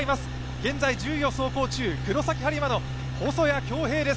現在１０位を走行中、黒崎播磨の細谷恭平です。